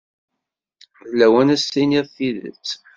D lawan ad s-tiniḍ tidet.